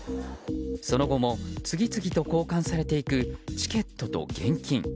その後も次々と交換されていくチケットと現金。